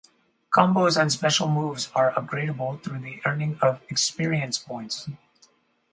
Combos and special moves are upgradeable through the earning of experience points.